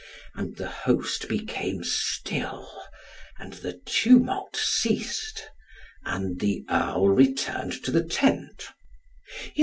And the host became still, and the tumult ceased, and the Earl returned to the tent.